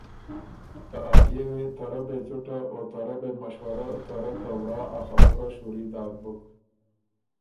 که ا پئے وې ته رۀ بې څُټه اوته رۀ بېمشورۀ ته رۀ ته ورا ا خبُره شوري داک بُک۔